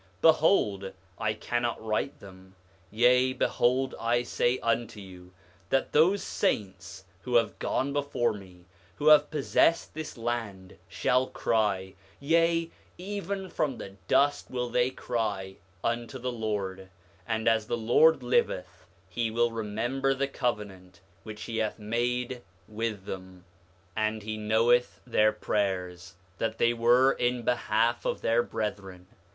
Behold, I cannot write them. Yea, behold I say unto you, that those saints who have gone before me, who have possessed this land, shall cry, yea, even from the dust will they cry unto the Lord; and as the Lord liveth he will remember the covenant which he hath made with them. 8:24 And he knoweth their prayers, that they were in behalf of their brethren.